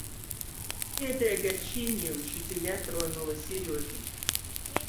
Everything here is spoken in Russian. Это огорчение учителя тронуло Сережу.